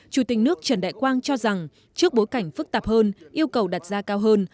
chủ tịch nước trần đại quang cho rằng trước bối cảnh phức tạp hơn yêu cầu đặt ra cao hơn